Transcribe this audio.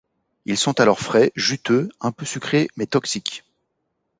Ils sont alors frais, juteux, un peu sucrés mais toxiques.